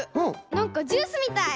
なんかジュースみたい。